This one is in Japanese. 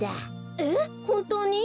えっほんとうに？